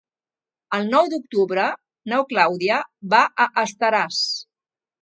El nou d'octubre na Clàudia va a Estaràs.